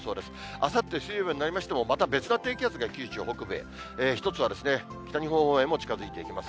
あさって水曜日になりましても、また別な低気圧が九州北部へ、一つは、北日本方面へも近づいていきます。